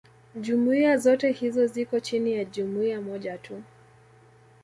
jumuiya zote hizo ziko chini ya jumuiya moja tu